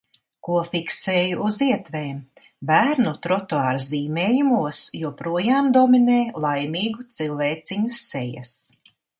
Ko fiksēju uz ietvēm. Bērnu trotuārzīmējumos joprojām dominē laimīgu cilvēciņu sejas.